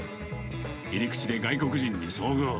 入り口で外国人に遭遇。